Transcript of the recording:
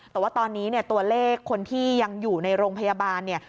แต่ว่าตอนนี้เนี่ยตัวเลขคนที่ยังอยู่ในโรงพยาบาลเนี่ย